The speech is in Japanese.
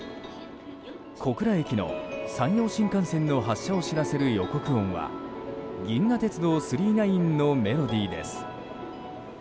小倉駅の山陽新幹線の発車を知らせる予告音は「銀河鉄道９９９」のメロディーです。